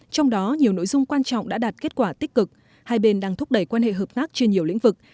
trong đó nhiều nội dung quan trọng đã đạt kết quả tích cực hai bên đang thúc đẩy quan hệ hợp tác trên nhiều lĩnh vực